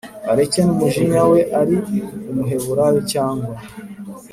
Areke n umuja we ari umuheburayo cyangwa